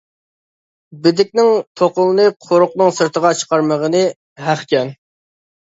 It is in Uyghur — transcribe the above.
بېدىكنىڭ توقىلىنى قورۇقنىڭ سىرتىغا چىقارمىغىنى ھەقكەن.